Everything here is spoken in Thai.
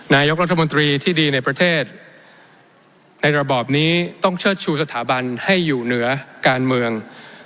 นายกรัฐมนตรีที่ดีในประเทศในระบอบนี้ต้องเชิดชูสถาบันให้อยู่เหนือการเมือง